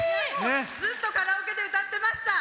ずっとカラオケで歌ってました。